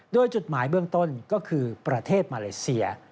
โดยจุดหมายเบื้องต้นก็คือประเทศมาเลเซีย